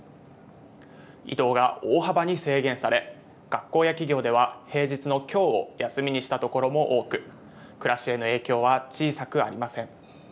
移動が大幅に制限され、学校や企業では平日のきょうを休みにところも多く、暮らしへの影響は小さくありません。